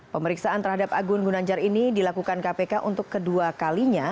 pemeriksaan terhadap agun gunanjar ini dilakukan kpk untuk kedua kalinya